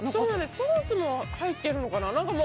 ソースにも入ってるのかな？